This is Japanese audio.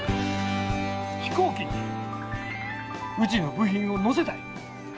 飛行機にうちの部品を乗せたい。